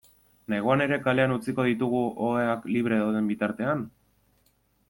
Neguan ere kalean utziko ditugu, oheak libre dauden bitartean?